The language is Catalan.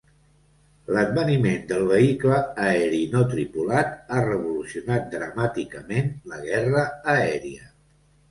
L'adveniment del vehicle aeri no tripulat ha revolucionat dramàticament la guerra aèria.